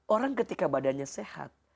orang ketika badannya sehat